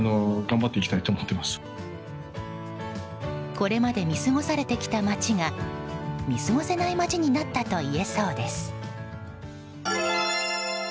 これまで見過ごされてきた街が見過ごせない街になったといえそうです。